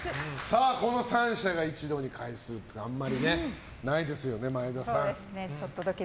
この３社が一堂に会することはあんまりないですよね、前田さん。